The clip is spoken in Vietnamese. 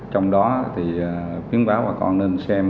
trong đó thì khuyến báo bà con nên xem